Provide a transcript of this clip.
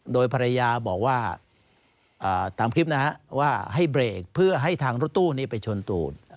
โดยภรรยาบอกว่าตามคลิปนะฮะว่าให้เบรกเพื่อให้ทางรถตู้นี้ไปชนตูด